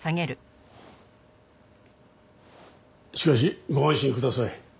しかしご安心ください。